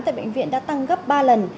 tại bệnh viện đã tăng gấp ba lần